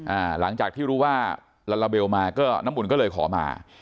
อ่าหลังจากที่รู้ว่ามาก็น้ำอุ่นก็เลยขอมา